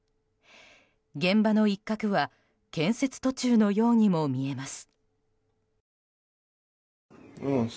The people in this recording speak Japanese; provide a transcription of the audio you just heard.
現場の一角は建設途中のようにも見えます。